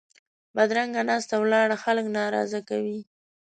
بدرنګه ناسته ولاړه خلک ناراضه کوي